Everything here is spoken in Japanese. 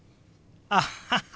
アッハハ！